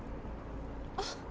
あっ！